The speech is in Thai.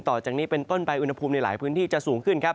ต่อจากนี้เป็นต้นไปอุณหภูมิในหลายพื้นที่จะสูงขึ้นครับ